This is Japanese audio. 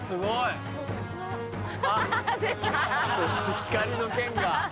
光の剣が。